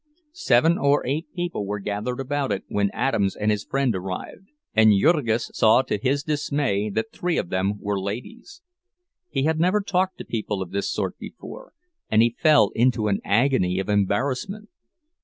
Seven or eight people were gathered about it when Adams and his friend arrived, and Jurgis saw to his dismay that three of them were ladies. He had never talked to people of this sort before, and he fell into an agony of embarrassment.